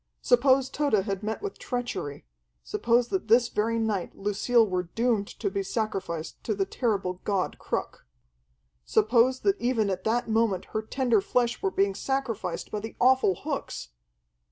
Suppose Tode had met with treachery; suppose that this very night Lucille were doomed to be sacrificed to the terrible god Cruk! Suppose that even at that moment her tender flesh were being sacrificed by the awful hooks!